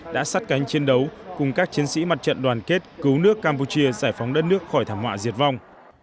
đã sát cánh chiến đấu cùng các chiến sĩ mặt trận đoàn kết cứu nước campuchia giải phóng đất nước khỏi thảm họa diệt vong